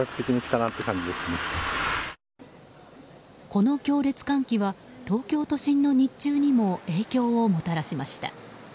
この強烈寒気は東京都心の日中にも影響をもたらしました。